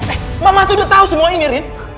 eh mama tuh udah tau semua ini erin